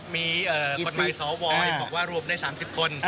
มีกฎหมายสวบอกว่ารวมได้๓๐คน